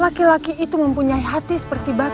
laki laki itu mempunyai hati seperti batu